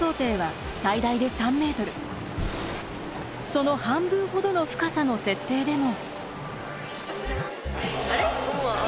その半分ほどの深さの設定でも。